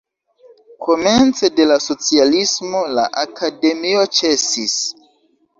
Komence de la socialismo la akademio ĉesis.